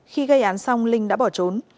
khi gây án xong linh đã bỏ trốn